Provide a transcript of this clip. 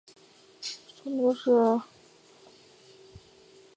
孙子孙女们也都是好孩子